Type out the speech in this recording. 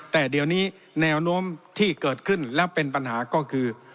แต่เดี๋ยวนี้แนวโน้มที่เกิดขึ้นและเป็นปัญหาก็คือ